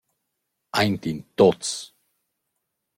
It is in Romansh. Aint in tuots!